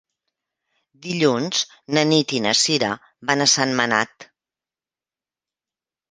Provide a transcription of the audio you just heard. Dilluns na Nit i na Cira van a Sentmenat.